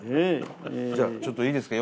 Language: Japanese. じゃあちょっといいですか？